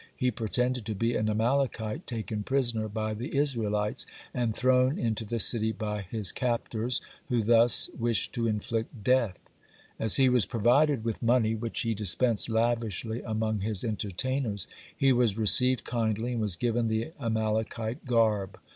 He pretended to be an Amalekite taken prisoner by the Israelites, and thrown into the city by his captors, who thus wished to inflict death. As he was provided with money, which he dispensed lavishly among his entertainers, he was received kindly, and was given the Amalekite garb.